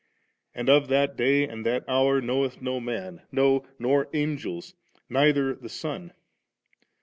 And, ' Of that day and that hour knoweth no man, no, nor the Angels, neither the Son •.'